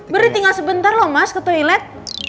berarti tinggal sebentar loh mas ke toilet